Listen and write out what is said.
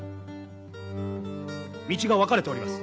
道が分かれております。